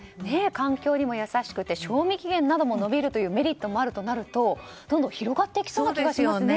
環境にも優しくて賞味期限も伸びるというメリットもあるとなるとどんどん広がっていきそうな気がしますよね。